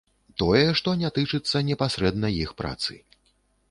Тое, што не тычыцца непасрэдна іх працы.